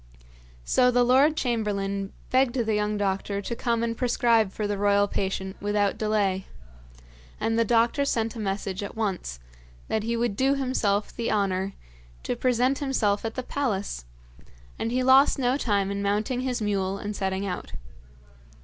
So the lord chamberlain begged the young doctor to come and prescribe for the royal patient without delay; and the doctor sent a message at once, that he would do himself the honour to present himself at the palace, and he lost no time in mounting his mule and setting out.